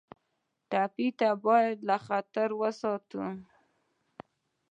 ټپي ته باید له خطره وساتو.